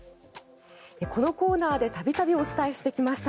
このコーナーで度々お伝えしてきました